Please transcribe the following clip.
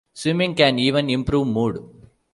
Swimming can even improve mood.